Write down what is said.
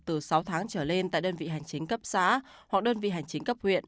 từ sáu tháng trở lên tại đơn vị hành chính cấp xã hoặc đơn vị hành chính cấp huyện